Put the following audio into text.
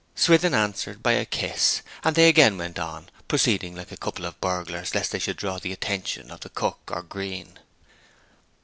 Swithin answered by a kiss, and they again went on; proceeding like a couple of burglars, lest they should draw the attention of the cook or Green.